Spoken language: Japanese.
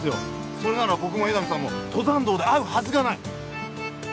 それなら僕も江波さんも登山道で会うはずがない。